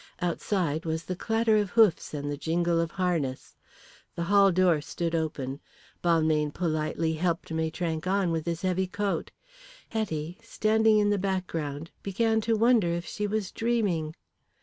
Outside was the clatter of hoofs and the jingle of harness. The hall door stood open; Balmayne politely helped Maitrank on with his heavy coat. Hetty, standing in the background, began to wonder if she was dreaming.